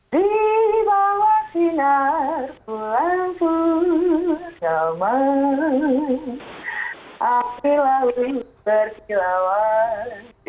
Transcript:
di bawah sinar pulang pun sama api lau berkilauan